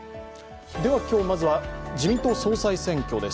今日まずは、自民党総裁選挙です。